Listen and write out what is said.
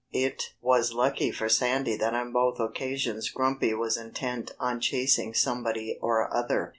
It was lucky for Sandy that on both occasions Grumpy was intent on chasing somebody or other.